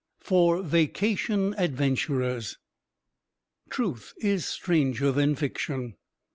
FOR VACATION ADVENTURERS Truth is stranger than fiction.